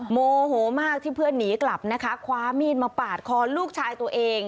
โมโหมากที่เพื่อนหนีกลับนะคะคว้ามีดมาปาดคอลูกชายตัวเอง